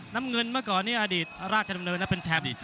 น้ำเงินเมื่อก่อนนี้อดีตราชดำเนินนะเป็นแชมป์